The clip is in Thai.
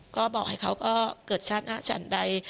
ก็บอกให้เขาก็เกิดชาติหน้าชั้นใด